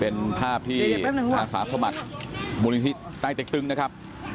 เป็นภาพที่ทางสาสมัครบูรณีใต้เจ็กตึงนะครับ